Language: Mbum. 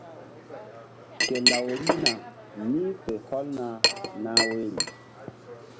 Ke law rihna ni̧h fe hɔlna nah woyri.